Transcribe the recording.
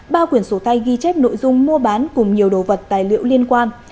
ba quyển sổ tay ghi chép nội dung mua bán cùng nhiều đồ vật tài liệu liên quan